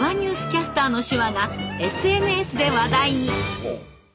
キャスターの手話がＳＮＳで話題に。